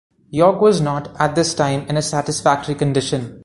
York was not, at this time, in a satisfactory condition.